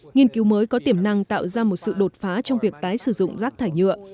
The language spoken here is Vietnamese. nghiên cứu mới có tiềm năng tạo ra một sự đột phá trong việc tái sử dụng rác thải nhựa